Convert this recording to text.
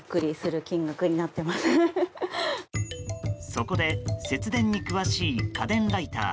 そこで節電に詳しい家電ライター